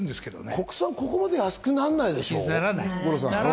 国産はここまで安くならないでしょ？